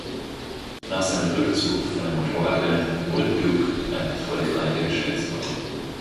Nach seinem Rückzug von den Motorradrennen wurde Duke ein erfolgreicher Geschäftsmann.